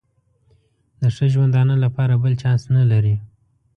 د ښه ژوندانه لپاره بل چانس نه لري.